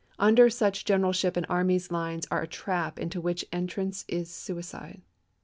Under such generalship an army's lines are a trap into which entrance is suicide.